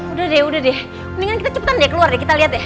udah deh udah deh mendingan kita cepetan deh keluar kita liat deh